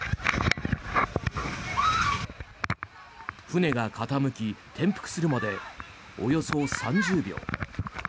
船が傾き、転覆するまでおよそ３０秒。